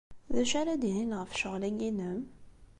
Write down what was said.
D acu ara d-inin ɣef ccɣel-agi-inem?